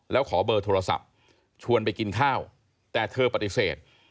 แล้วขอเบอร์โทรศัพท์ชวนไปกินข้าวแต่เธอปฏิเสธ